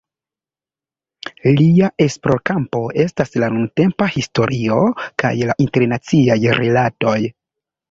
Lia esplorkampo estas la nuntempa historio kaj la internaciaj rilatoj.